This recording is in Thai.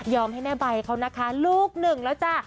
ให้แม่ใบเขานะคะลูกหนึ่งแล้วจ้ะ